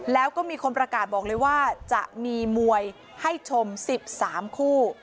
แล้วก็มีคนประกาศบอกเลยว่าจะมีมวยให้ชม๑๓คู่